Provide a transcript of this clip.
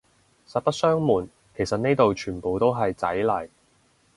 實不相暪，其實呢度全部都係仔嚟